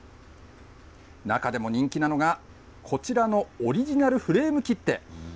中でも人気なのが、こちらのオリジナルフレーム切手。